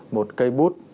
một cây bút